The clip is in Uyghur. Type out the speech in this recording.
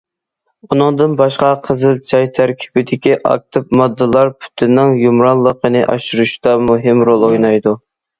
ئۇنىڭدىن باشقا قىزىل چاي تەركىبىدىكى ئاكتىپ ماددىلار پۇتنىڭ يۇمرانلىقىنى ئاشۇرۇشتا مۇھىم رول ئوينايدۇ.